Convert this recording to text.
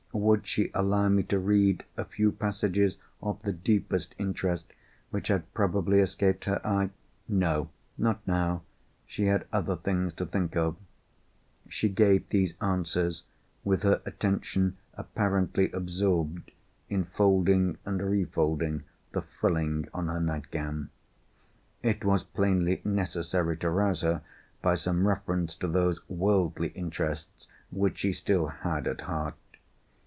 Would she allow me to read a few passages of the deepest interest, which had probably escaped her eye? No, not now—she had other things to think of. She gave these answers, with her attention apparently absorbed in folding and refolding the frilling on her nightgown. It was plainly necessary to rouse her by some reference to those worldly interests which she still had at heart.